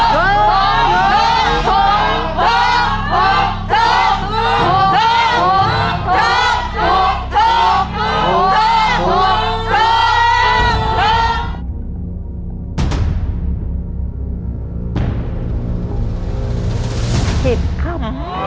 ผิดครับ